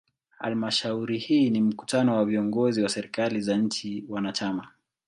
Halmashauri hii ni mkutano wa viongozi wa serikali za nchi wanachama.